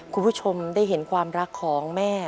คุณผู้ชมได้เห็นความรักของแม่